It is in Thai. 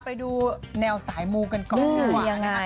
ไปดูแนวสายมูลกันก่อนก่อน